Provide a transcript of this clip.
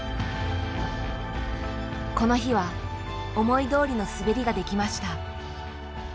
この日は思いどおりの滑りができました。